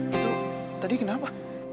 itu tadi kenapa